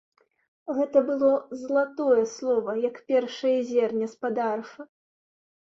Гэта было залатое слова, як першае зерне з-пад арфы.